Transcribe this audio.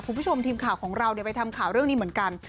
คุณผู้ชมทีมข่าวของเราไปทำข่าวเรื่องนี้เหมือนกัน